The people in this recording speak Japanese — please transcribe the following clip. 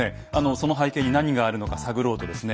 その背景に何があるのか探ろうとですね